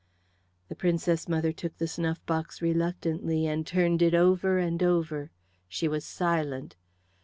The Princess mother took the snuff box reluctantly and turned it over and over. She was silent.